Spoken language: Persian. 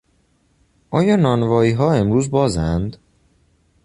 آیا نانواییها امروز بازند؟